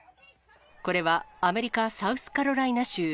これはアメリカ・サウスカロライナ州。